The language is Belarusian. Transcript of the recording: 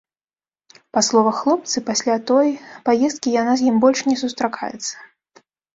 Па словах хлопца, пасля той паездкі яна з ім больш не сустракаецца.